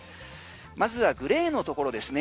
まずはグレーのところですね